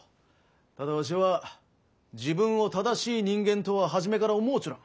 ただわしは自分を正しい人間とは初めから思うちょらん。